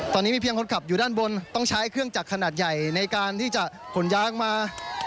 ตอนนี้มีเพียงคนขับอยู่ด้านบนต้องใช้เครื่องจักรขนาดใหญ่ในการที่จะขนย้ายมา